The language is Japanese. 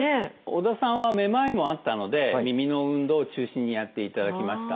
織田さんはめまいもあったので耳の運動を中心にやっていただきました。